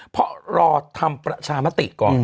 เพราะรอทำประชามติก่อน